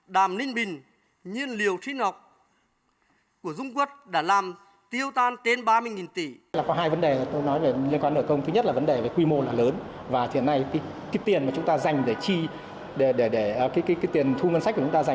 đàm linh bình nhiên liều trí ngọc của dung quốc đã làm tiêu tan tên ba mươi tỷ